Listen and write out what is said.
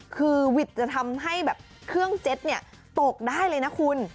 คือวิทย์จะทำให้แบบเครื่องเจ็ตตกได้เลยนะคุณ